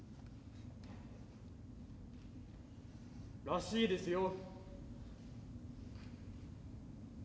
らしいですよ。